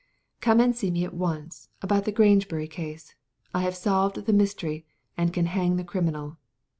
*'Come and see me at once, about the Grangebuiy case. I have solved the mystery, and can hang the criminal.